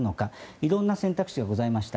いろんな選択肢がございました。